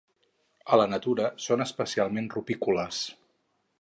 A la natura són especialment rupícoles.